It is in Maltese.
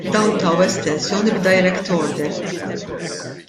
Dawn taw estensjoni b'direct order!